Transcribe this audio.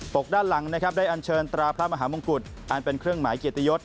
กด้านหลังนะครับได้อันเชิญตราพระมหามงกุฎอันเป็นเครื่องหมายเกียรติยศ